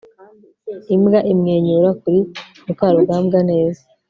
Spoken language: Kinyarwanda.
imbwa imwenyura kuri mukarugambwa neza